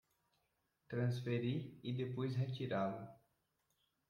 Transferir e depois retirá-lo